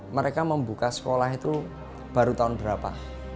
mereka membuka sekolah itu baru tahun berapa